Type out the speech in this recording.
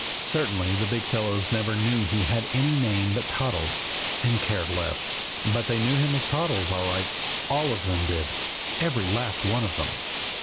Certainly the big fellows never knew he had any name but Toddles and cared less. But they knew him as Toddles, all right! All of them did, every last one of them!